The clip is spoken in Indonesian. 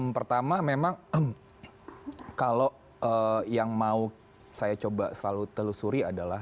pertama memang kalau yang mau saya coba selalu telusuri adalah